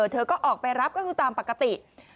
เธอก็ออกไปรับก็คือตามปกติ